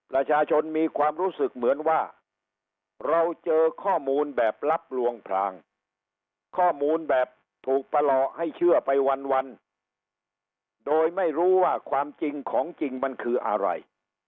ประชาชนมีความรู้สึกเหมือนว่าเราเจอข้อมูลแบบลับลวงพรางข้อมูลแบบถูกประหล่อให้เชื่อไปวันโดยไม่รู้ว่าความจริงของจริงมันคืออะไร